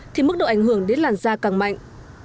thì mức độ ảnh hưởng đến làn da càng mạnh